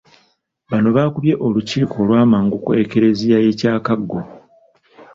Bano bakubye olukiiko olw’amangu ku Eklezia y'e Kyakago.